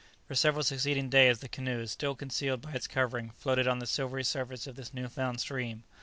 For several succeeding days the canoe, still concealed by its covering, floated on the silvery surface of this new found stream.